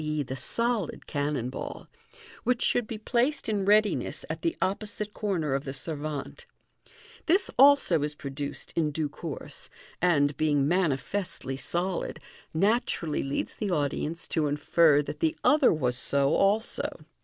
e., the solid) cannon ball, which should be placed in readiness at the opposite corner of the servante. This also is produced in due course, and, being manifestly solid, naturally leads the audience to infer that the other was so also.